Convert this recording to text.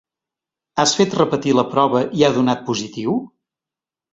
Has fet repetir la prova i ha donat positiu?